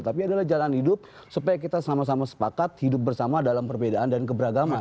tapi adalah jalan hidup supaya kita sama sama sepakat hidup bersama dalam perbedaan dan keberagaman